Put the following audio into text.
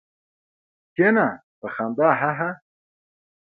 کېنه! په خندا هههه.